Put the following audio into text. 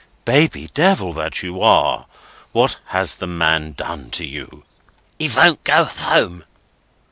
"Baby Devil that you are, what has the man done to you?" "He won't go home."